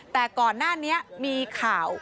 แต่ก่อนหน้านี้มีข่าว